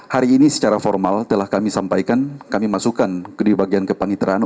hari ini secara formal telah kami sampaikan kami masukkan di bagian kepanitraan